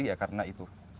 ya karena itu